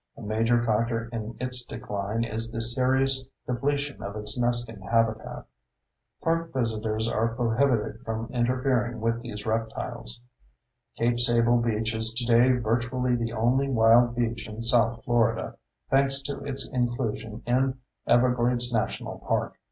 A major factor in its decline is the serious depletion of its nesting habitat. Park visitors are prohibited from interfering with these reptiles. Cape Sable beach is today virtually the only wild beach in South Florida, thanks to its inclusion in Everglades National Park.